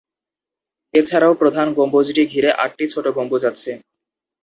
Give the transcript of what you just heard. এছাড়াও প্রধান গম্বুজটি ঘিরে আটটি ছোট গম্বুজ আছে।